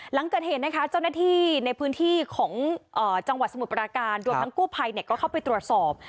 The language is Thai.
หลังเกิดเหตุนะคะเจ้าหน้าที่ในพื้นที่ของจังหวัดสมุทรปราการรวมทั้งกู้ภัยก็เข้าไปตรวจสอบ